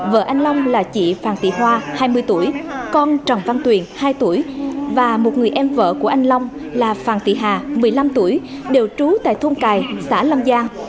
vợ anh long là chị phàng tị hoa hai mươi tuổi con trần văn tuyền hai tuổi và một người em vợ của anh long là phàng tị hà một mươi năm tuổi đều trú tại thôn cài xã long giang